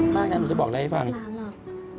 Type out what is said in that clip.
บ้างนะหนูจะบอกอะไรให้ฟังไม่เป็นไรหรอก